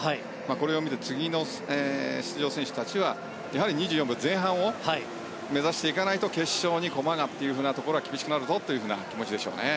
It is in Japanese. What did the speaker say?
これを見て、次の出場選手たちは２４秒前半を目指していかないと決勝に駒がというのは厳しくなるぞというような気持ちでしょうね。